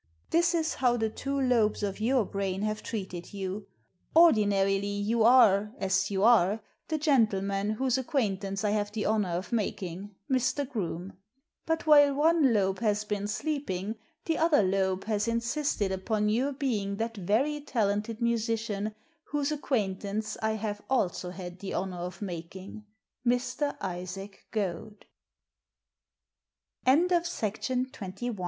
This b how the two lobes of your brain have treated you. Ordinarily you are — as you are — the gentleman whose acquaintance I have the honour of making, Mr. Groome. But while one lobe has been sleeping, the other lobe has insisted upon your being that very talented musician whose acquaintance I have also had the honour of making —